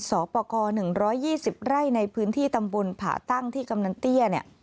สอปกรณ์หนึ่งร้อยยี่สิบไร่ในพื้นที่ตำบลผ่าตั้งที่กำลังเตี้ยเนี่ย